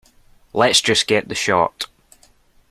Lets just get the shot.